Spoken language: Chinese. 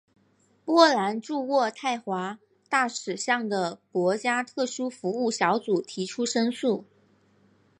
波兰驻渥太华大使向的国家特殊服务小组提出申诉。